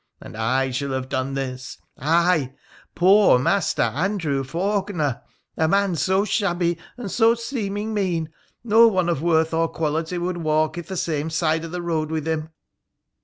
And I shall have done this — I, poor Master Andrew Faulkener, a man so shabby and so seeming mean, no one of worth or quality would walk i' the same side of the road with him